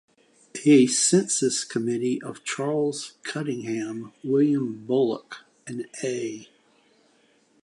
A census committee of Charles Cunningham, William Bullock and A.